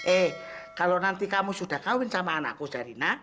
eh kalau nanti kamu sudah kawin sama anakku darina